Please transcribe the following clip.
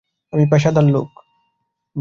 আমি পেশাদার লোক।